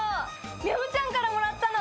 みゃむちゃんからもらったの。